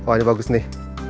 wah dia bagus nih